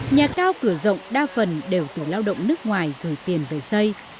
nhà cao cửa rộng đa phần đều từ lao động nước ngoài gửi tiền về xây